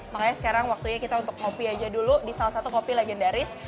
makanya sekarang waktunya kita untuk kopi aja dulu di salah satu kopi legendaris